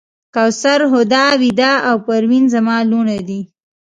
کوثر، هُدا، ویدا او پروین زما لوڼې دي.